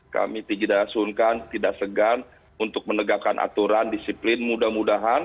kami tidak sunkan tidak segan untuk menegakkan aturan disiplin mudah mudahan